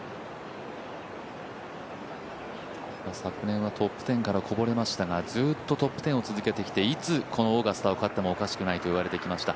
昨年はトップ１０からこぼれましたがずっとトップ１０を続けてきていつこのオーガスタを勝ってもおかしくないと言われてきました。